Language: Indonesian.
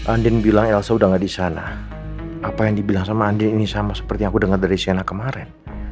andien bilang elsa udah gak disana apa yang dibilang sama andien ini sama seperti yang aku dengar dari sienna kemarin